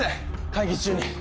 会議中に。